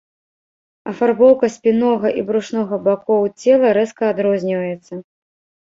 Афарбоўка спіннога і брушнога бакоў цела рэзка адрозніваецца.